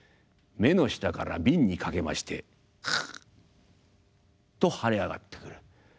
目の下から鬢にかけましてカッと腫れ上がってくる。